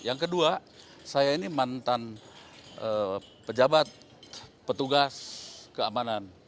yang kedua saya ini mantan pejabat petugas keamanan